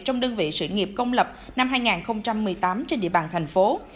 trong đơn vị sự nghiệp công lập năm hai nghìn một mươi tám trên địa bàn tp hcm